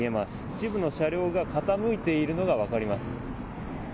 一部の車両が傾いているのが分かります。